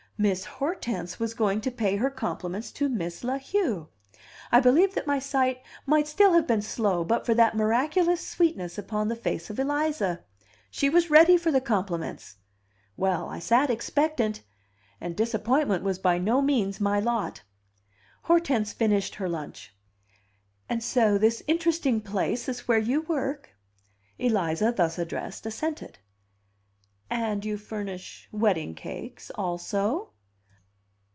Miss Hortense was going to pay her compliments to Miss La Heu. I believe that my sight might still have been slow but for that miraculous sweetness upon the face of Eliza. She was ready for the compliments! Well, I sat expectant and disappointment was by no means my lot. Hortense finished her lunch. "And so this interesting place is where you work?" Eliza, thus addressed, assented. "And you furnish wedding cakes also?"